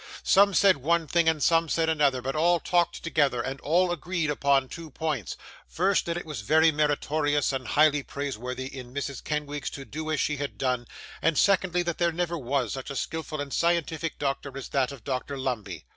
Some said one thing, and some another; but all talked together, and all agreed upon two points: first, that it was very meritorious and highly praiseworthy in Mrs. Kenwigs to do as she had done: and secondly, that there never was such a skilful and scientific doctor as that Dr Lumbey.